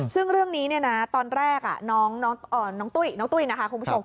ซึ่งเรื่องนี้ตอนแรกน้องตุ้ยน้องตุ้ยนะคะคุณผู้ชม